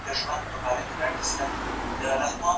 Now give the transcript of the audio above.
پيغمبر د عدالت غوښتنه وکړه.